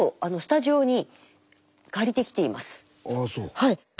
はい。